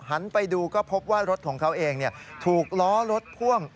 หันไปดูก็พบว่ารถของเขาเองถูกล้อรถพ่วง